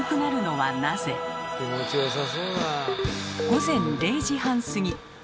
午前０時半過ぎ。